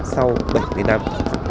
sau bảy mươi năm